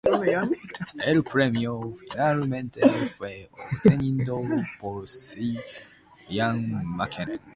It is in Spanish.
El premio, finalmente, fue obtenido por Sir Ian McKellen.